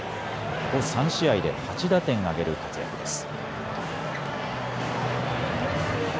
ここ３試合で８打点挙げる活躍です。